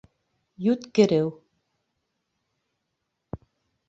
Юткереү